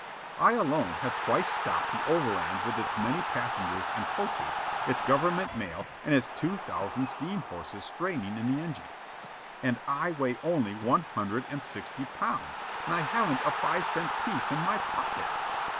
I alone have twice stopped the overland with its many passengers and coaches, its government mail, and its two thousand steam horses straining in the engine. And I weigh only one hundred and sixty pounds, and I haven't a five cent piece in my pocket!